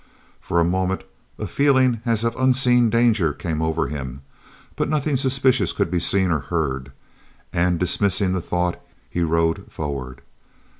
For a moment a feeling as of unseen danger came over him, but nothing suspicious could be seen or heard, and dismissing the thought, he rode forward.